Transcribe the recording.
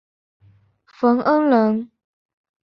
冯恩人。